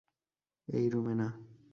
এই রুমে না।